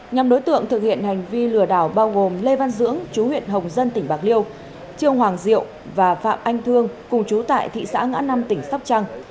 nhằm đối tượng thực hiện hành vi lừa đảo bao gồm lê văn dưỡng chú huyện hồng dân tỉnh bạc liêu trương hoàng diệu và phạm anh thương cùng chú tại thị xã ngã năm tỉnh sóc trăng